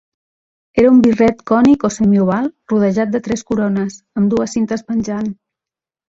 Era un birret cònic o semioval rodejat de tres corones, amb dues cintes penjant.